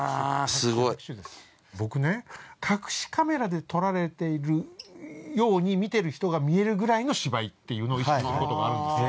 僕ね隠しカメラで撮られているように見てる人が見えるぐらいの芝居っていうのを意識することがあるんですよ。